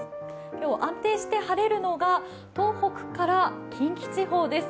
今日、安定して晴れるのが東北から近畿地方です。